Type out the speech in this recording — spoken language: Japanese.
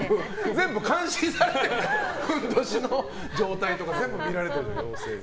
全部監視されてふんどしの状態とかも全部見られてる。